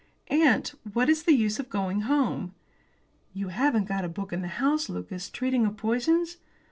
"Aunt, what is the use of going home?" "You haven't got a book in the house, Lucas, treating of poisons?"